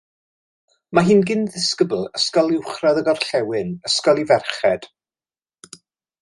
Mae hi'n gyn-ddisgybl Ysgol Uwchradd y Gorllewin, ysgol i ferched.